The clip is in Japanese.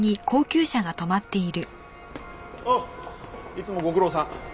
おおいつもご苦労さん。